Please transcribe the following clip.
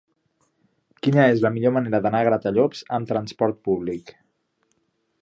Quina és la millor manera d'anar a Gratallops amb trasport públic?